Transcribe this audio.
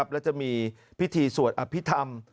และจะมีพิธีสวดอภิษฐรรม